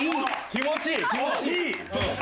気持ちいい！